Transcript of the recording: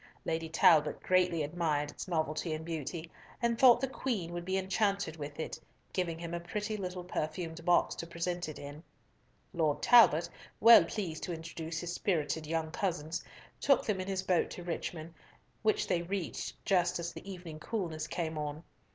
Lady Talbot greatly admired its novelty and beauty, and thought the Queen would be enchanted with it, giving him a pretty little perfumed box to present it in. Lord Talbot, well pleased to introduce his spirited young cousins, took them in his boat to Richmond, which they reached just as the evening coolness came on.